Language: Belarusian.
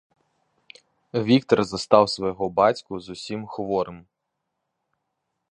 Віктар застаў свайго бацьку зусім хворым.